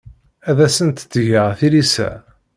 Ur asent-ttgeɣ tilisa.